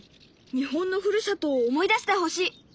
日本のふるさとを思い出してほしい。